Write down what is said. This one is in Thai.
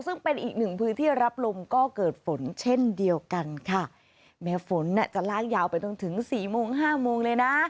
ซึ่งเป็นอีกหนึ่งพื้นที่รับลมก็เกิดฝนเช่นเดียวกันค่ะแม้ฝนน่ะจะลากยาวไปจนถึงสี่โมงห้าโมงเลยนะ